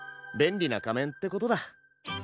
便利な仮面ってことだ。